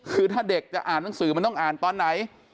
คือถ้าเด็กจะอ่านหนังสือมันต้องอ่านตอนไหน